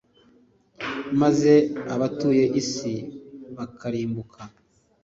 maze abatuye isi bakarimbuka.